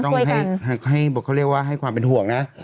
โอ้โฮด่านหน้าต้องให้ความเป็นห่วงนะ